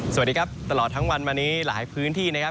สวัสดีครับตลอดทั้งวันมานี้หลายพื้นที่นะครับ